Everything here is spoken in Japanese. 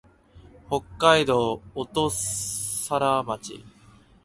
北海道音更町